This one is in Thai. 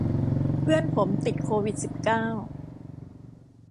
เพื่อนผมติดโควิดสิบเก้า